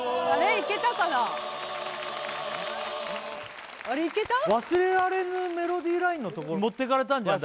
いけたかな「忘れられぬメロディライン」のとこ持ってかれたんじゃん？